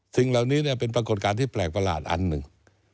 สิ่งเหล่านี้เป็นปรากฏการณ์ที่แปลกประหลาดอันหนึ่ง